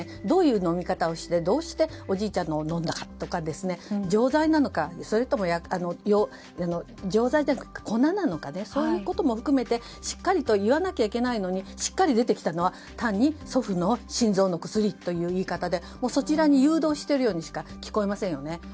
どういう飲み方をして、どうしておじいちゃんのを飲んだのかとか錠剤なのか、それとも粉なのかそういうことも含めてしっかりと言わなきゃいけないのにしっかり出てきたのは単に祖父の心臓の薬という言い方でそちらに誘導しているようにしか聞こえませんよね。